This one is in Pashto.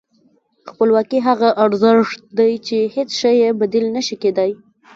خپلواکي هغه ارزښت دی چې هېڅ شی یې بدیل نه شي کېدای.